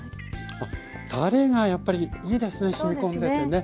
あったれがやっぱりいいですねしみこんでてね。